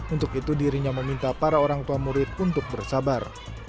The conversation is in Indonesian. untuk itu dirinya meminta para orang tua murid untuk bersabar